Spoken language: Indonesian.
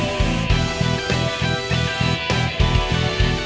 masih ada pers